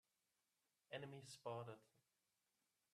Enemy spotted!